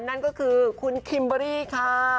นั่นก็คือคุณคิมเบอรี่ค่ะ